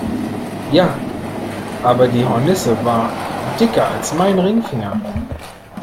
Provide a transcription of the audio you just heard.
Ja, aber die Hornisse war dicker als mein Ringfinger!